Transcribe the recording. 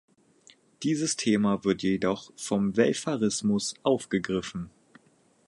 Dieses Thema wird jedoch vom Welfarismus aufgegriffen.